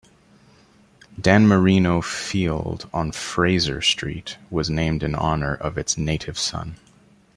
Dan Marino Field on Frazier Street was named in honor of its native son.